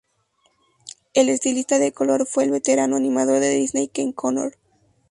El estilista de color fue el veterano animador de Disney Ken O'Connor.